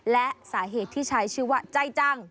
และสาเหตุที่ใช้ชื่อว่าใจจัง